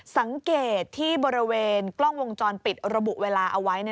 สังเกตที่บริเวณกล้องวงจรปิดระบุเวลาเอาไว้